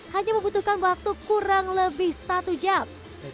hanya membutuhkan waktu kurang lebih satu jam